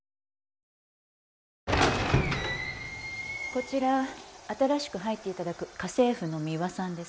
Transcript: こちら新しく入って頂く家政婦のミワさんです。